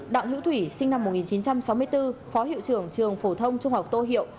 đặng hữu thủy sinh năm một nghìn chín trăm sáu mươi bốn phó hiệu trưởng trường phổ thông trung học tô hiệu